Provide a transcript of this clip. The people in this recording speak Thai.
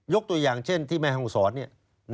ยกตัวอย่างเช่นที่แม่ห้องสอนเนี่ย